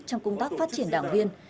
trong công tác phát triển đảng viên